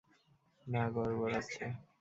না, গড়বড় আছে।